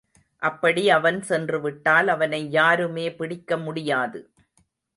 அப்படி அவன் சென்றுவிட்டால் அவனை யாருமே பிடிக்க முடியாது.